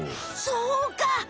そうか！